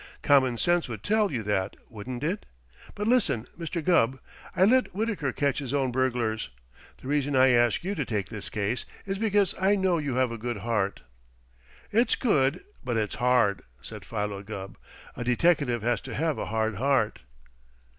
"Common sense would tell you that, wouldn't it? But, listen, Mr. Gubb: I'd let Wittaker catch his own burglars. The reason I ask you to take this case is because I know you have a good heart." "It's good, but it's hard," said Philo Gubb. "A deteckative has to have a hard heart."